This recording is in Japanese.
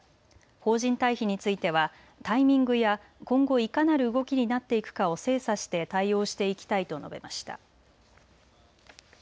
邦人退避についてはタイミングや今後、いかなる動きになっていくかを精査して対応していきたいと述べました。